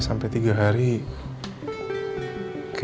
keisha udah kuat belum ya keluar dari incubator